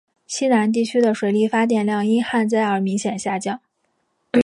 西南地区的水力发电量因旱灾而明显下降。